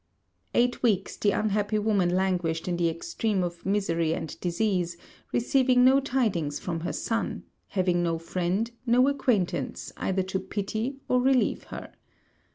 Eight weeks the unhappy woman languished in the extreme of misery and disease; receiving no tidings from her son, having no friend, no acquaintance, either to pity or relieve her.